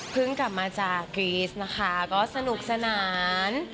กลับมาจากกรีสนะคะก็สนุกสนาน